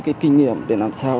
cái kinh nghiệm để làm sao